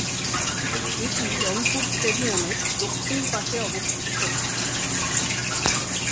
এটি রংপুর স্টেডিয়ামের দক্ষিণ পাশে অবস্থিত।